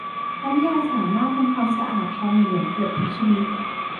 น้ำยาสามารถทำความสะอาดทองเหลืองเกือบทุกชนิด